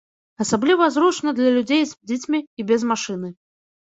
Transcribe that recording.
Асабліва зручна для людзей з дзецьмі і без машыны.